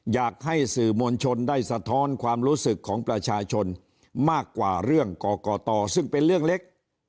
อยากให้สื่อมวลชนได้สะท้อนความรู้สึกของประชาชนมากกว่าเรื่องกรกตซึ่งเป็นเรื่องเล็ก